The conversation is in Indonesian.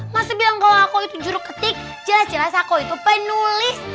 masih bilang kalau aku itu juru ketik jelas jelas aku itu penulis